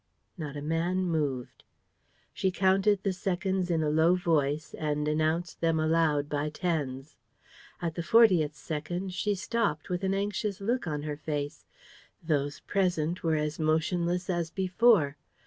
..." Not a man moved. She counted the seconds in a low voice and announced them aloud by tens. At the fortieth second, she stopped, with an anxious look on her face. Those present were as motionless as before.